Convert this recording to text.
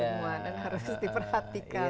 dan harus diperhatikan